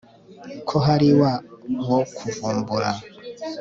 Ko hari wa wo kuvumbura